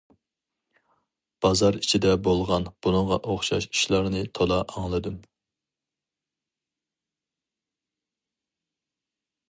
بازار ئىچىدە بولغان بۇنىڭغا ئوخشاش ئىشلارنى تولا ئاڭلىدىم.